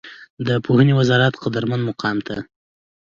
د پوهنې وزارت قدرمن مقام ته